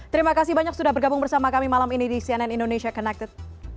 terima kasih banyak sudah bergabung bersama kami malam ini di cnn indonesia connected